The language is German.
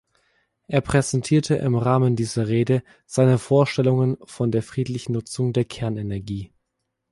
Er präsentierte im Rahmen dieser Rede seine Vorstellungen von der friedlichen Nutzung der Kernenergie.